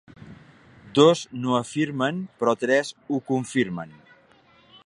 Dos no afirmen, però tres ho confirmen.